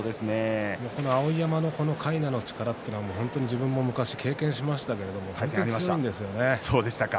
碧山のかいなの力、自分も昔、経験しましたけれども強いんですよね。